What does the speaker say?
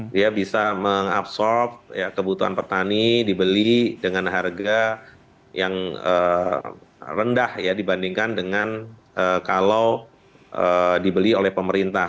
dia bisa mengabsorb kebutuhan petani dibeli dengan harga yang rendah dibandingkan dengan kalau dibeli oleh pemerintah